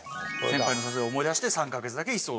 「先輩の誘いを思い出して３カ月だけ居候」